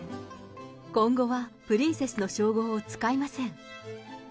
今後はプリンセスの称号を使いません。